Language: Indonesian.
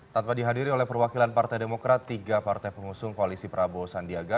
tanpa dihadiri oleh perwakilan partai demokrat tiga partai pengusung koalisi prabowo sandiaga